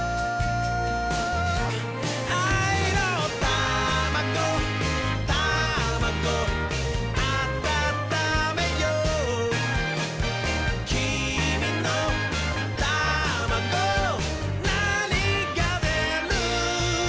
「あいのタマゴタマゴあたためよう」「きみのタマゴなにがでる？」